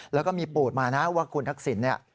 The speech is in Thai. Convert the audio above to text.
แล้วก็มีปูดมานะว่าคุณทักษิณเนี่ย